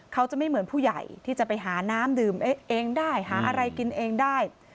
เขาจะไม่เหมือนผู้ใหญ่ที่จะไปหาน้ำดื่มเองได้หาอะไรกินเองได้